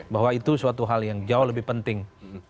bahwa itu suatu hal yang jauh lebih penting